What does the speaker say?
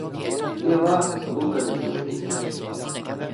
ni la, luka li tu tu tu.